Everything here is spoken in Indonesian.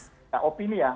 nah opini ya